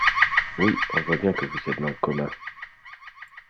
Oui, on voit bien que vous êtes dans le coma